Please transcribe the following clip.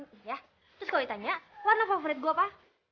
terus kalau ditanya warna favorit gue apa